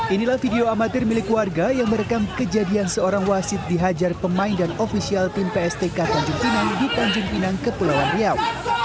inilah video amatir milik warga yang merekam kejadian seorang wasit dihajar pemain dan ofisial tim pstk tanjung pinang di tanjung pinang kepulauan riau